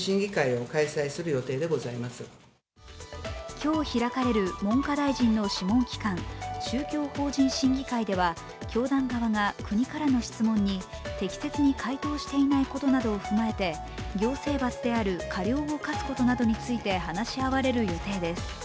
今日開かれる文科大臣の諮問機関、宗教法人審議会では教団側が国からの質問に適切に回答していないことなどを踏まえて行政罰である過料を科すことなどについて話し合われる予定です。